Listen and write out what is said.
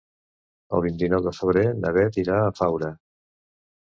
El vint-i-nou de febrer na Bet irà a Faura.